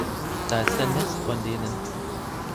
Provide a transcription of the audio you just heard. Da ist ein Nest von denen.